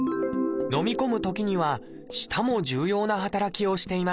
のみ込むときには舌も重要な働きをしています。